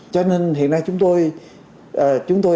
cho nên hiện nay chúng tôi